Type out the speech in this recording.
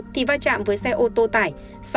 thì va chạm với xe ô tô tải